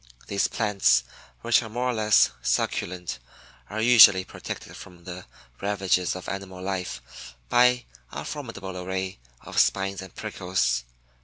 These plants, which are more or less succulent, are usually protected from the ravages of animal life by a formidable array of spines and prickles.